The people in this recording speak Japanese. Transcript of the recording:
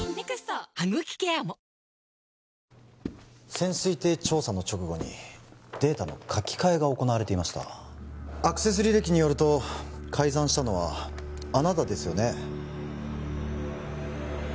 潜水艇調査の直後にデータの書き換えが行われていましたアクセス履歴によると改ざんしたのはあなたですよね